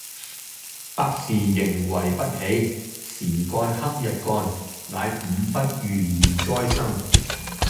百事營為不喜，時幹克日幹，乃五不遇而災生